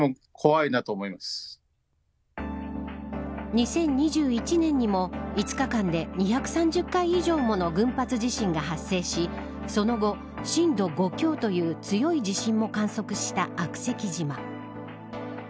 ２０２１年にも５日間で２３０回以上もの群発地震が発生しその後、震度５強という強い地震も観測した悪石島。